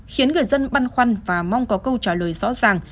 khiến người dân băn khoăn và mong có câu trả lời rõ ràng